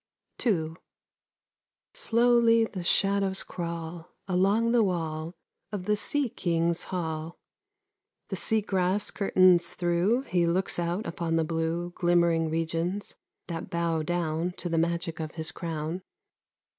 II. Slowly the shadows crawl Along the wall Of the sea king's hall. The sea grass curtains thro' He looks out upon the blue Glimmering regions that bow down To the magic of his crown.